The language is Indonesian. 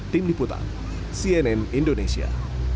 tim diputan cnn indonesia